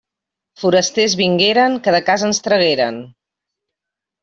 Forasters vingueren que de casa ens tragueren.